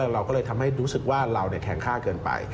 เราก็เลยทำให้รู้สึกว่าเราแข็งค่าเกินไป